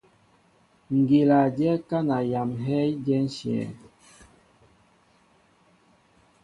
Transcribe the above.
Ŋgíla dyɛ kana yam heé diɛnshɛŋ.